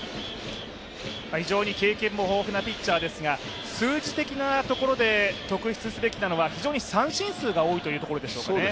非常に経験も豊富なピッチャーですが数字的なところで、特筆すべきなのは三振数が多いところですかね。